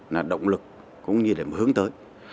là động lực cũng như để hướng tới